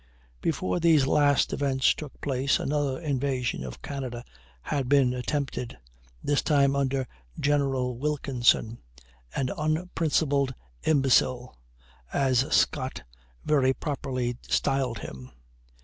Before these last events took place another invasion of Canada had been attempted, this time under General Wilkinson, "an unprincipled imbecile," as Scott very properly styled him.